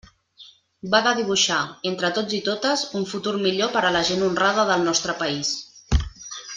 Va de dibuixar, entre tots i totes, un futur millor per a la gent honrada del nostre país.